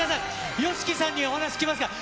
ＹＯＳＨＩＫＩさんにお話聞きますから。